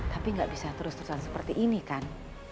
tapi nggak bisa terus terusan seperti ini kan